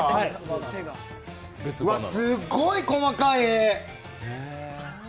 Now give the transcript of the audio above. うわ、すっごい細かい絵。